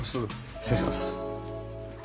失礼します。